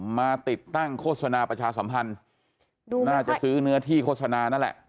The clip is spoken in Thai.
มาติดตั้งโฆษณาประชาสัมพันธ์น่าจะซื้อเนื้อที่โฆษณานั่นแหละ